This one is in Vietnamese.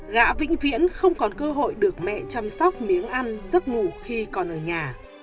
gã vĩnh viễn không còn cơ hội được mẹ chăm sóc miếng ăn giấc ngủ khi còn ở nhà